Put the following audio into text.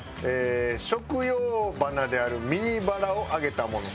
食用花であるミニバラを揚げたもの。